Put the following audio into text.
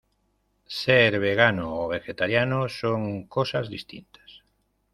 Ser vegano o vegetariano son cosas distintas.